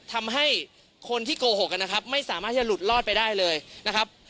ทำให้คนที่โกหกนะครับไม่สามารถที่จะหลุดรอดไปได้เลยนะครับ